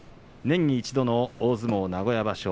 年に一度の大相撲名古屋場所